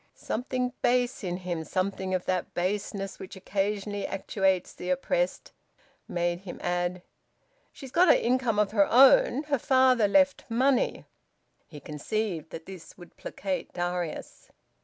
Something base in him something of that baseness which occasionally actuates the oppressed made him add: "She's got an income of her own. Her father left money." He conceived that this would placate Darius.